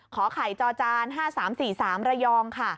ขอไขจอจาน๕๓๔๓ระยอง